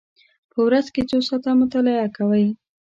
په ورځ کې څو ساعته مطالعه کوئ؟